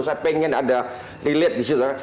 saya pengen ada lilit di situ kan